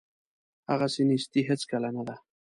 هغسې نیستي هیڅکله نه ده.